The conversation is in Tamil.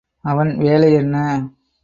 அவன் வேலை என்ன?